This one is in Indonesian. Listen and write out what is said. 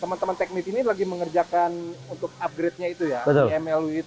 teman teman teknik ini lagi mengerjakan untuk upgrade nya itu ya emlu itu ya